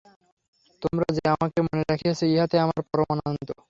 তোমরা যে আমাকে মনে রাখিয়াছ, ইহাতে আমার পরমানন্দ।